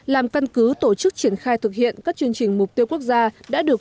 làm căn cứ tổ chức triển khai thực hiện các chương trình mục tiêu quốc gia đã được thủ tướng phê duyệt